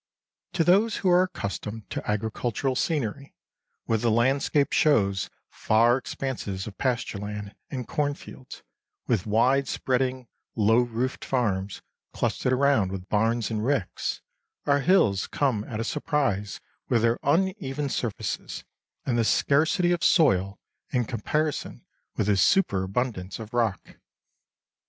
To those who are accustomed to agricultural scenery, where the landscape shows far expanses of pasture land and cornfields, with wide spreading low roofed farms clustered around with barns and ricks, our hills come as a surprise with their uneven surfaces, and the scarcity of soil in comparison with the superabundance of rock.